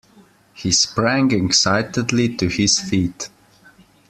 He sprang excitedly to his feet.